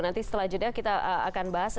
nanti setelah jeda kita akan bahas